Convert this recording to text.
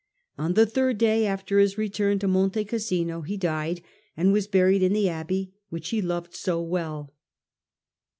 On the third day after his return to Monte Cassino he died, and was buried in the abbey which he loved so well.